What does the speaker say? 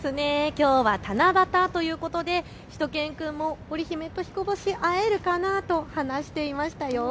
きょうは七夕ということでしゅと犬くんも織り姫とひこ星、会えるかなと話していましたよ。